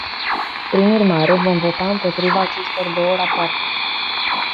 Prin urmare, vom vota împotriva acestor două rapoarte.